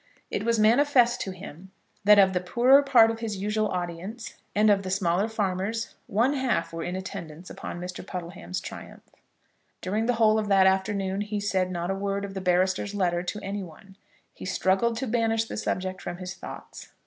It was manifest to him that of the poorer part of his usual audience, and of the smaller farmers, one half were in attendance upon Mr. Puddleham's triumph. During the whole of that afternoon he said not a word of the barrister's letter to any one. He struggled to banish the subject from his thoughts.